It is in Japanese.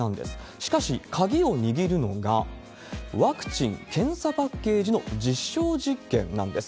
しかし、鍵を握るのがワクチン・検査パッケージの実証実験なんです。